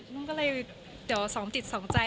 นุ่งก็เลยเดี๋ยวสองจิตสองใจ